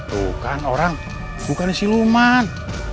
tuh kan orang bukan siluman